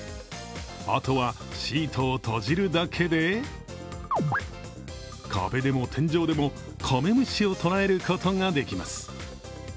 あとはシートを閉じるだけで壁でも天井でも、カメムシを捕らえることができます。